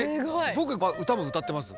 僕歌も歌ってます。